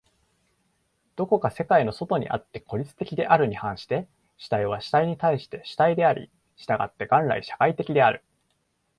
どこか世界の外にあって孤立的であるに反して、主体は主体に対して主体であり、従って元来社会的である。